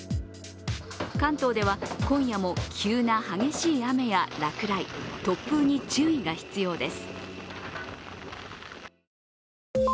関東では今夜も急な激しい雨や落雷、突風に注意が必要です。